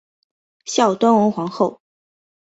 孝端文皇后。